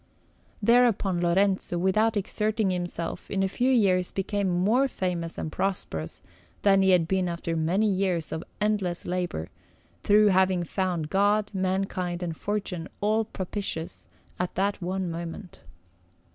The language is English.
Thereupon Lorenzo, without exerting himself, in a few years became more famous and prosperous than he had been after many years of endless labour, through having found God, mankind, and Fortune all propitious at that one moment.